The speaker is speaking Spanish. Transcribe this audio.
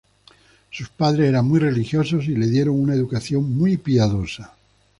Sus padres eran muy religiosos y le dieron una educación muy piadosa.